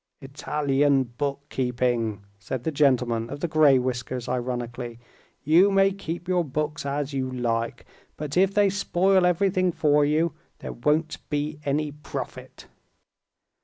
"Italian bookkeeping," said the gentleman of the gray whiskers ironically. "You may keep your books as you like, but if they spoil everything for you, there won't be any profit."